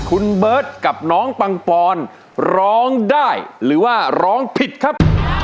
คุณเบิร์ตกับน้องปังปอนร้องได้หรือว่าร้องผิดครับ